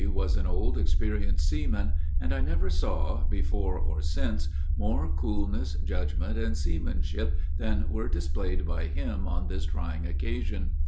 was an old, experienced seaman; and I never saw, before or since, more coolness, judgment, and seamanship, than were displayed by him on this trying occasion.